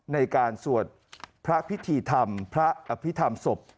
ในการสวดพระอภิธรรมสม